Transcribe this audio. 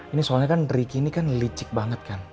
ini soalnya kan rikini kan licik banget kan